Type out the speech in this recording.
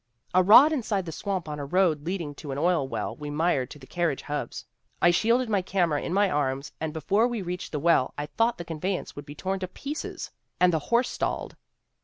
" 'A rod inside the swamp on a road leading to an oil well we mired to the carriage hubs. I shielded my camera in my arms and before we reached the well I thought the conveyance would be torn to pieces and q8 THE WOMEN WHO MAKE OUR NOVELS the horse stalled.